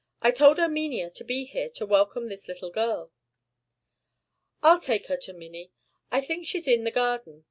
I told Erminia to be here to welcome this little girl." "I'll take her to Minnie; I think she's in the garden.